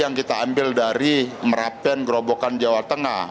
yang kita ambil dari merapen gerobokan jawa tengah